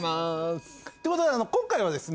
ということで今回はですね